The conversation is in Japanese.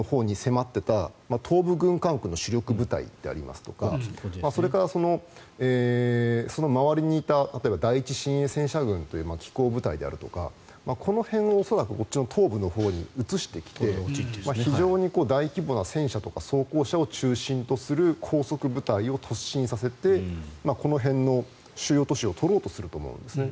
キーウの北部のほうに迫っていた東部軍管区の主力部隊ですとかその周りにいた戦車軍みたいな機甲部隊であるとか、この辺をこっちの東部のほうに移してきて非常に大規模な戦車とか装甲車を中心とする高速部隊を突進させてこの辺の主要都市を取ろうとすると思うんですよね。